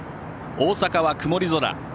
大阪は曇り空。